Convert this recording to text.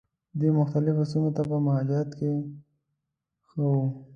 دوی مختلفو سیمو ته په مهاجرت کې ښه وو.